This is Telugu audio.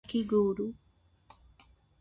కాకి గూడు